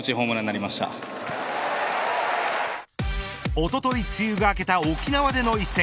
おととい梅雨が明けた沖縄での一戦。